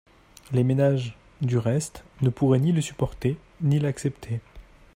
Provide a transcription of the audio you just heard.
Les ménages, du reste, ne pourraient ni le supporter, ni l’accepter.